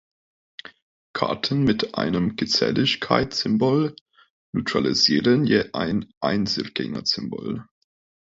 Karten mit einem Geselligkeitssymbol neutralisieren je ein Einzelgängersymbol.